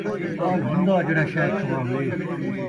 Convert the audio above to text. ٻال ہوندا جیڑھا شئے کھواوے